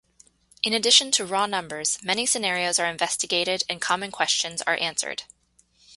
In addition to raw numbers, many scenarios are investigated and common questions are answered.